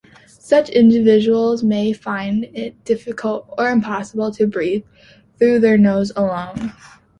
Such individuals may find it difficult or impossible to breathe through their nose alone.